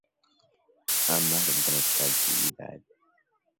Buridihing, a tributary of Brahmaputra, divides the district from east-to-west.